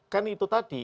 kan itu tadi